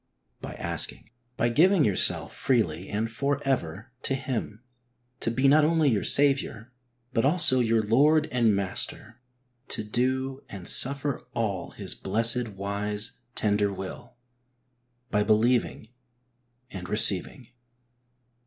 By asking. By giving yourself freely and for ever to Him, to be not only your Saviour, but also your Lord and Master ; to do and suffer all His blessed, wise, tender will. By believing and receiving.